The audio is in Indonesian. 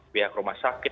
pihak rumah sakit